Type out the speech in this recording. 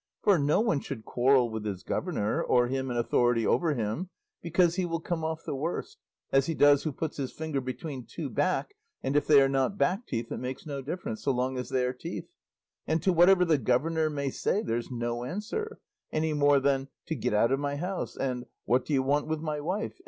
For no one should quarrel with his governor, or him in authority over him, because he will come off the worst, as he does who puts his finger between two back and if they are not back teeth it makes no difference, so long as they are teeth; and to whatever the governor may say there's no answer, any more than to 'get out of my house' and 'what do you want with my wife?